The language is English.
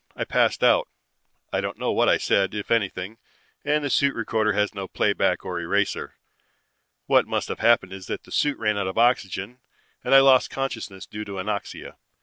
I passed out. I don't know what I said, if anything, and the suit recorder has no playback or eraser. What must have happened is that the suit ran out of oxygen, and I lost consciousness due to anoxia.